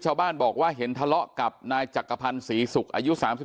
ชาวบ้านบอกว่าเห็นทะเลาะกับนายจักรพันธ์ศรีศุกร์อายุ๓๒